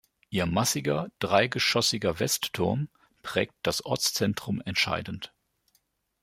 Ihr massiger dreigeschossiger Westturm prägt das Ortszentrum entscheidend.